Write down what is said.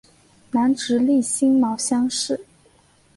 南直隶辛卯乡试。